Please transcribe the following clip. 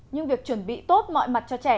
nhưng việc chuẩn bị tốt mọi mặt cho trẻ